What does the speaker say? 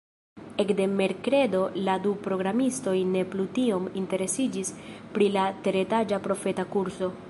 Ekde merkredo la du programistoj ne plu tiom interesiĝis pri la teretaĝa profeta kurso.